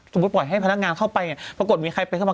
ปล่อยให้พนักงานเข้าไปเนี่ยปรากฏมีใครไปเข้ามา